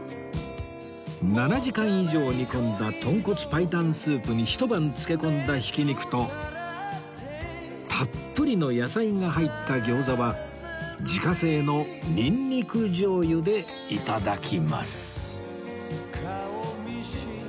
７時間以上煮込んだ豚骨白湯スープにひと晩漬け込んだひき肉とたっぷりの野菜が入った餃子は自家製のニンニク醤油で頂きます